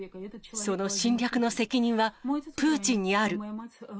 その侵略の責任は、プーチンにある。